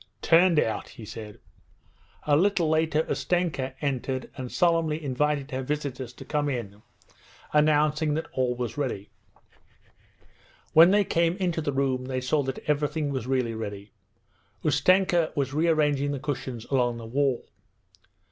'Turned out,' he said. A little later Ustenka entered and solemnly invited her visitors to come in: announcing that all was ready. When they came into the room they saw that everything was really ready. Ustenka was rearranging the cushions along the wall.